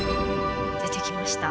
出てきました。